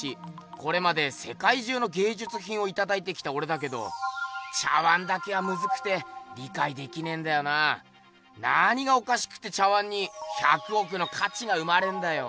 これまでせかい中のげいじゅつひんをいただいてきたおれだけど茶碗だけはムズくて理かいできねんだよなぁ。何がおかしくて茶碗に「１００億のかち」が生まれんだよ。